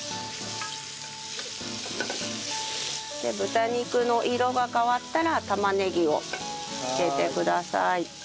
で豚肉の色が変わったら玉ねぎを入れてください。